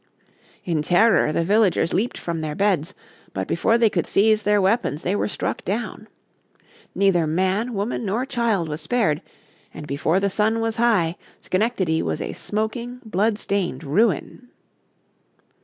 In terror the villagers leaped from their beds, but before they could seize their weapons they were struck down. Neither man, woman nor child was spared, and before the sun was high Schenectady was a smoking, blood stained ruin.